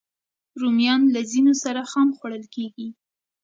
رومیان له ځینو سره خام خوړل کېږي